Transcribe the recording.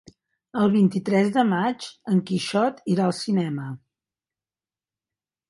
El vint-i-tres de maig en Quixot irà al cinema.